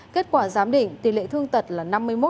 kết quả giám định tỷ lệ thương tật là năm mươi một